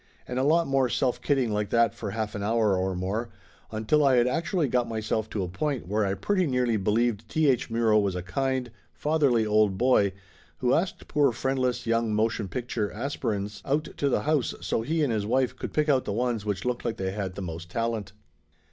And a lot more self kidding like that for half an hour or more, until I had actually got myself to a point where I pretty nearly believed T. H. Muro was a kind, fatherly old boy who asked poor friendless young motion picture aspirins out to the house so he and his wife could pick out the ones which looked like they had the most talent.